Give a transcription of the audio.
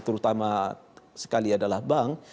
terutama sekali adalah bank